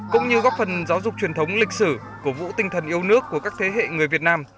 cũng như góp phần giáo dục truyền thống lịch sử cổ vũ tinh thần yêu nước của các thế hệ người việt nam